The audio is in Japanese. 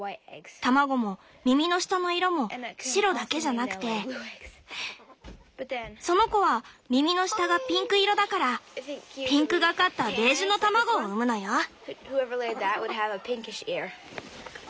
卵も耳の下の色も白だけじゃなくてその子は耳の下がピンク色だからピンクがかったベージュの卵を産むのよ。